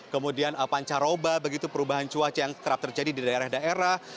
kemudian pancaroba begitu perubahan cuaca yang kerap terjadi di daerah daerah